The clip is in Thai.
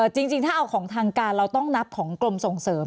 จริงถ้าเอาของทางการเราต้องนับของกรมส่งเสริม